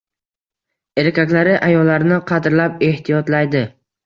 Erkaklari ayollarini qadrlab ehtiyotlaydi.